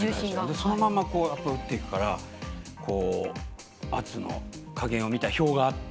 そのまま打ってるから圧の加減をみた表があって。